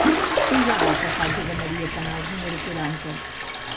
Què hi ha al passatge de Maria Canals número quaranta?